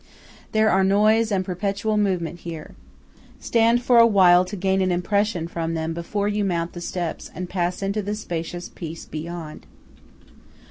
There are noise and perpetual movement here. Stand for a while to gain an impression from them before you mount the steps and pass into the spacious peace beyond.